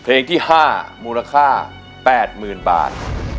เพลงที่๕มูลค่า๘๐๐๐บาท